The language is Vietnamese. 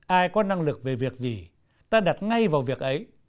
ai có năng lực về việc gì ta đặt ngay vào việc ấy